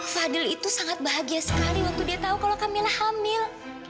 fadil itu sangat bahagia sekali waktu dia tahu kalau kamilah hamil